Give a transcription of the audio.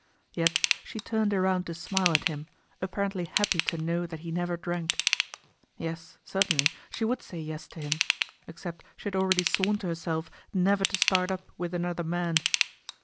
Yet she turned around to smile at him, apparently happy to know that he never drank. Yes, certainly, she would say "yes" to him, except she had already sworn to herself never to start up with another man.